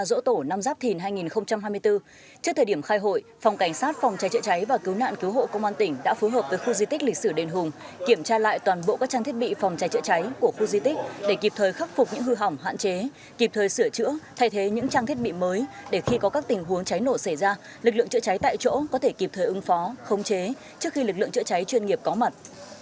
lực lượng chữa cháy tại chỗ có thể kịp thời ứng phó khống chế trước khi lực lượng chữa cháy chuyên nghiệp có mặt